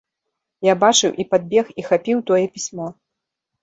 Я бачыў і падбег і хапіў тое пісьмо.